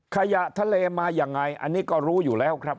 ขยะทะเลมายังไงอันนี้ก็รู้อยู่แล้วครับ